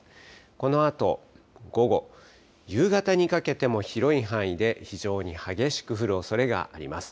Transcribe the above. このあと午後、夕方にかけても広い範囲で非常に激しく降るおそれがあります。